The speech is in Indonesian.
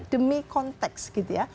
demi konteks gitu ya